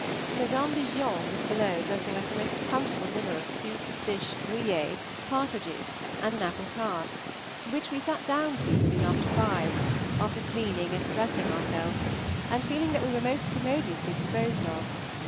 Mde. Bigion was below dressing us a most comfortable dinner of soup, fish, bouillée, partridges, and an apple tart, which we sat down to soon after five, after cleaning and dressing ourselves, and feeling that we were most commodiously disposed of.